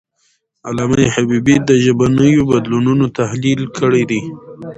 علامه حبیبي د ژبنیو بدلونونو تحلیل کړی دی.